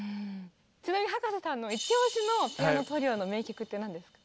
ちなみに葉加瀬さんのイチ推しのピアノトリオの名曲って何ですか？